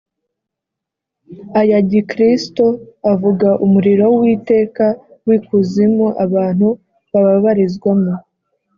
aya gikristo avuga umuriro w’iteka w’ikuzimu abantu bababarizwamo.